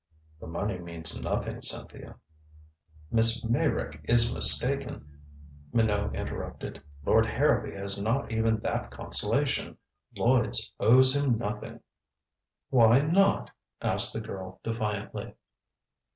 "The money means nothing, Cynthia " "Miss Meyrick is mistaken," Minot interrupted. "Lord Harrowby has not even that consolation. Lloyds owes him nothing." "Why not?" asked the girl defiantly.